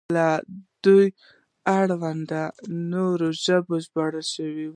له دې وړاندې نورې ژباړې شوې وې.